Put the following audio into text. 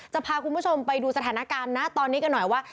จะพาคุณผู้ชมไปดูสถานการณ์นะตอนนี้กันหน่อยว่า